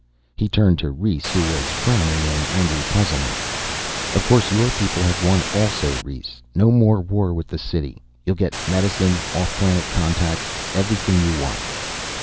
He turned to Rhes, who was frowning in angry puzzlement. "Of course your people have won also, Rhes. No more war with the city, you'll get medicine, off planet contact everything you want."